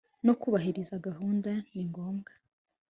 no kubahiriza gahunda ni ngombwa